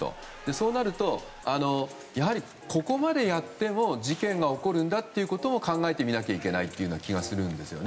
そうなるとここまでやっても事件が起こるんだということを考えてみないといけないという気がします。